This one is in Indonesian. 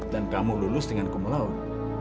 dan kamu lulus dengan kemulauan